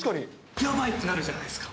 やばいってなるじゃないですか。